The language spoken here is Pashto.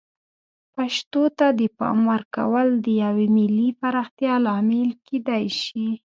پښتو ته د پام ورکول د یوې ملي پراختیا لامل کیدای شي.